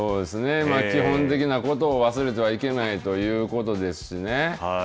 基本的なことを忘れてはいけないということですね。